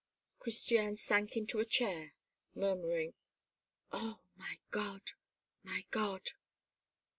Christiane sank into a chair, murmuring: "Oh! my God! my God!"